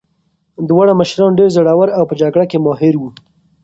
دواړه مشران ډېر زړور او په جګړه کې ماهر وو.